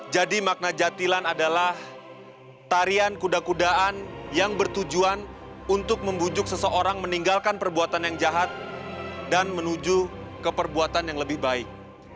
jadi makna jatilan adalah tarian kuda kudaan yang bertujuan untuk membujuk seseorang meninggalkan perbuatan yang jahat dan menuju ke perbuatan yang lebih baik